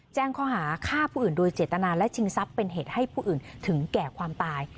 แจ้งข้อหาฆ่าผู้อื่นโดยเจตนาและชิงทรัพย์เป็นเหตุให้ผู้อื่นถึงแก่ความตาย